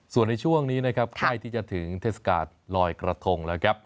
ส่วนในช่วงนี้ใครที่จะถึงเทศกาลลอยกระทง